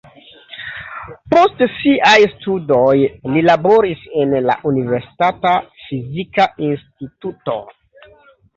Post siaj studoj li laboris en la universitata fizika instituto.